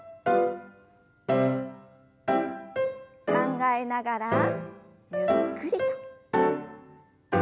考えながらゆっくりと。